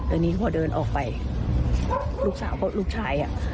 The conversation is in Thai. ตอนนี้พอเดินออกไปลูกสาวลูกชายอ่ะ